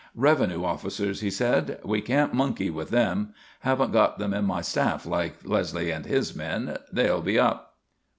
"Revenue officers," he said. "We can't monkey with them. Haven't got them on my staff like Leslie and his men. They'll be up."